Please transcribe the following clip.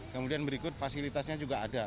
kemudian berikut fasilitasnya juga ada